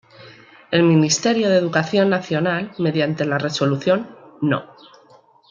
El Ministerio de Educación Nacional mediante la resolución No.